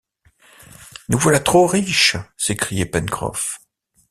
Nous voilà trop riches s’écriait Pencroff